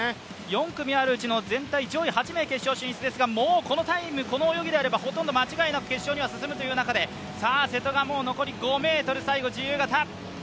４組あるうちの上位８名が決勝進出ですがもうこのタイム、この泳ぎであれば間違いなく決勝に進むという中で、瀬戸が残り５ｍ、最後自由形。